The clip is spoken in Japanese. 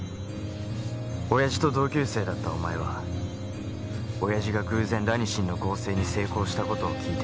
親父と同級生だったお前は親父が偶然ラニシンの合成に成功した事を聞いて。